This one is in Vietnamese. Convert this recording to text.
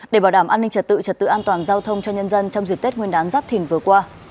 để bảo đảm an ninh trật tự trật tự an toàn giao thông cho nhân dân trong dịp tết nguyên đán giáp thìn vừa qua